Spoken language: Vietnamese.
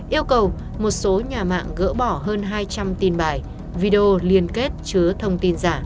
yêu cầu một số nhà mạng gỡ bỏ hơn hai trăm linh tin bài video liên kết chứa thông tin giả